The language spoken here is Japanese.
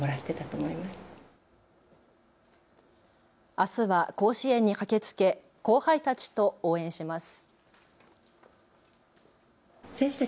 あすは甲子園に駆けつけ後輩たちと応援します。